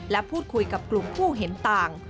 และพูดคุยกับกลุ่มผู้เห็นต่าง